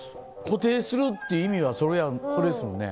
固定するっていう意味はそれですもんね。